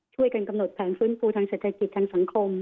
ช่วยกันกำหนดแผนฟื้นฟูทางเศรษฐกิจทางสังคม